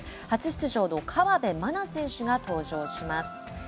初出場の河辺愛菜選手が登場します。